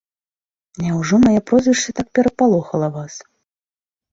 Няўжо маё прозвішча так перапалохала вас?